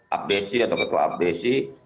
abdesi atau ketua abdesi